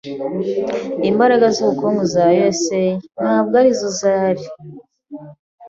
Imbaraga zubukungu za USA ntabwo arizo zari.